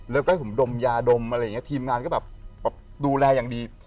แล้วก็ให้ผมดมยาดมอะไรอย่างนี้ทีมงานก็แบบดูแลอย่างดี